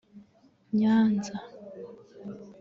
Nyanza